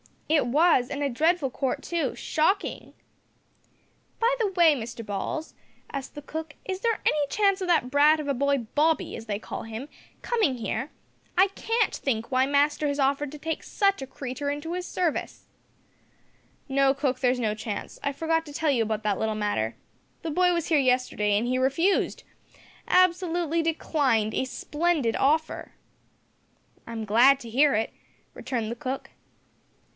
"It was, and a dreadful court too shocking!" "By the way, Mr Balls," asked the cook, "is there any chance o' that brat of a boy Bobby, as they call him, coming here? I can't think why master has offered to take such a creeter into his service." "No, cook, there is no chance. I forgot to tell you about that little matter. The boy was here yesterday and he refused absolutely declined a splendid offer." "I'm glad to hear it," returned the cook.